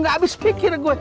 gak abis pikir gua